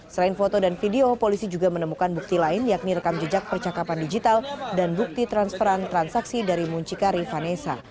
selain foto dan video polisi juga menemukan bukti lain yakni rekam jejak percakapan digital dan bukti transferan transaksi dari muncikari vanessa